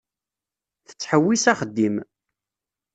Tettḥewwis axeddim.